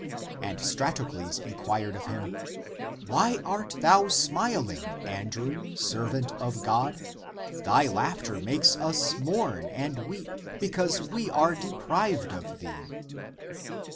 And Stratocles inquired of him, " Why art thou smiling, Andrew, servant of God? Thy laughter makes us mourn and weep, because we are deprived of thee."